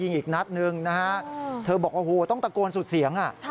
อีกนัดหนึ่งนะฮะเธอบอกโอ้โหต้องตะโกนสุดเสียง